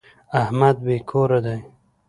احمد بې کوره دی.